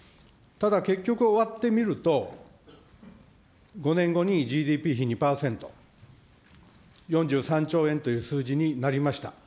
ただ、結局終わってみると、５年後にＧＤＰ比２％、４３兆円という数字になりました。